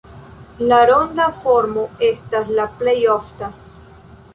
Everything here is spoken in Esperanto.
La ronda formo estas la plej ofta.